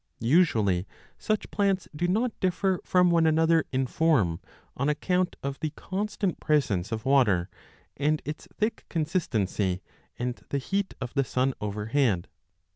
Usually such plants do not differ from one another in form on account of the constant presence of water and its thick consistency and the heat of the sun 20 overhead.